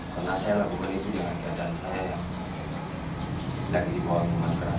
karena saya lakukan itu dengan keadaan saya yang tidak di bawah minuman keras